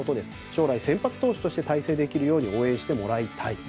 将来、先発投手として大成できるように応援してもらいたい。